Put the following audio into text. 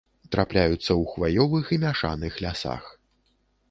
Трапляюцца ў хваёвых і мяшаных лясах.